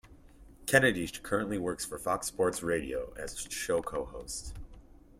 Kennedy currently works for Fox Sports Radio as show co-host.